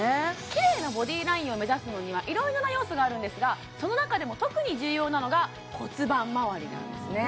キレイなボディラインを目指すのには色々な要素があるんですがその中でも特に重要なのが骨盤周りなんですね